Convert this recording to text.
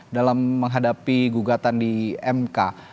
dalam menghadapi gugatan di mk